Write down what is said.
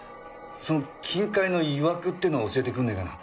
その金塊のいわくってのを教えてくんねえかな。